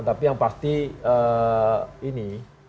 tapi yang pasti ini